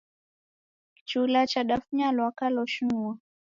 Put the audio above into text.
Kichula chadafunya lwaka loshunua.